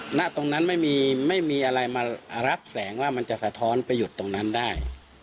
หน้าตรงนั้นไม่มีไม่มีอะไรมารับแสงว่ามันจะสะท้อนไปหยุดตรงนั้นได้